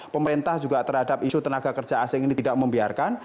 pemerintah juga terhadap isu tenaga kerja asing ini tidak membiarkan